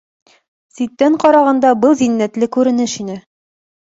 Ситтән ҡарағанда был зиннәтле күренеш ине.